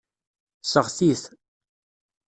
Seɣti-t.